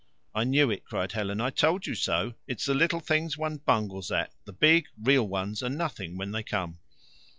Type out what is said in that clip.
"I knew it," cried Helen. "I told you so. It is the little things one bungles at. The big, real ones are nothing when they come."